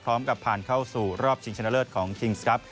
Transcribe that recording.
ผ่านเข้าสู่รอบชิงชนะเลิศของคิงส์ครับ